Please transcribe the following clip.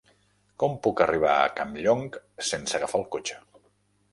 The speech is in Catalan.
Com puc arribar a Campllong sense agafar el cotxe?